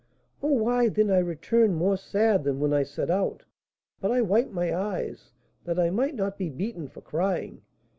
"Oh, why, then I returned more sad than when I set out; but I wiped my eyes, that I might not be beaten for crying.